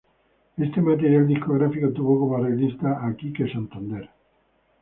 Este material discográfico tuvo como arreglista a Kike Santander.